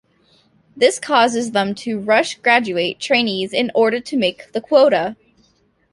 This causes them to 'rush-graduate' trainees in order to make the quota.